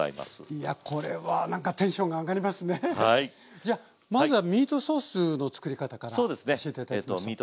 じゃあまずはミートソースの作り方から教えて頂きましょう。